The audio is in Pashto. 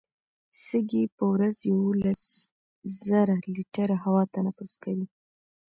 سږي په ورځ یوولس زره لیټره هوا تنفس کوي.